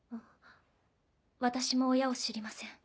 私も親を知りません。